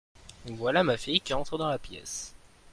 Voilà ma fille qui entre dans la pièce.